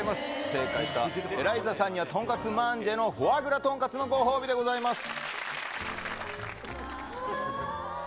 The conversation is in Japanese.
正解したエライザさんには、とんかつマンジェのフォアグラとんかつのご褒美でございます。